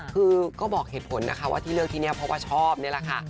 คือก็บอกเหตุผลนะคะว่าที่เลือกที่นี่เพราะว่าชอบนี่แหละค่ะ